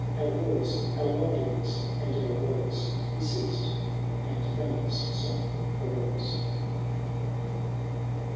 Our wars, our wanderings, and our woet. He ceased, and Gunnar^ song arose.